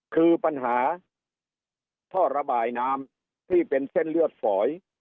คือปัญหาที่เป็นเส้นเลือกฝ๋อย